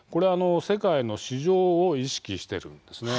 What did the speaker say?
世界の市場を意識しているんです。